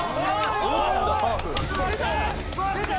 「出た！」